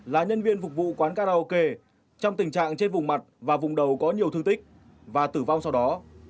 là nhân viên phục vụ quán karaoke trong tình trạng trên vùng mặt và vùng đầu có nhiều thương tích và tử vong sau đó